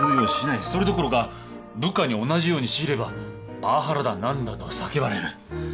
それどころか部下に同じように強いればパワハラだ何だと叫ばれる。